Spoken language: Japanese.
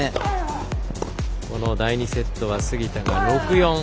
この第２セットは杉田が６−４。